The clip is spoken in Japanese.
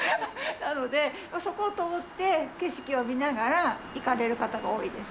なのでそこを通って景色を見ながら行かれる方が多いです。